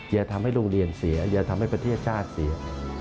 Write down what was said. อย่าทำให้โรงเรียนเสียอย่าทำให้ประเทศชาติเสีย